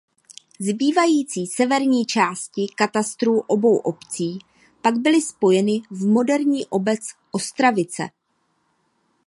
Zbývající severní části katastrů obou obcí pak byly spojeny v moderní obec Ostravice.